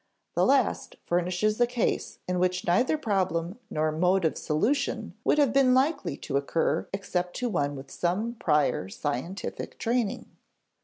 The last furnishes a case in which neither problem nor mode of solution would have been likely to occur except to one with some prior scientific training.